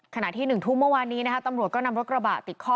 คณะที่๐๑๐๒ในนี้ตำรวจก็นำรถกระบะติดข้อ